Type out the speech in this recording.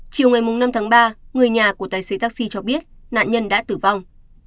chiều ngày năm tháng ba người nhà của tài xế taxi cho biết nạn nhân đã tử vong